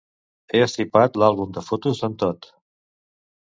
He estripat l'àlbum de fotos d'en Todd.